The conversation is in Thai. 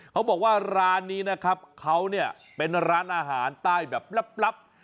เขาบอกว่าร้านนี้นะครับเขาเนี่ยเป็นร้านอาหารใต้แบบลับ